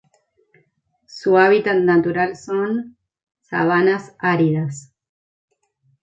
Su hábitat natural son: Sabanas, áridas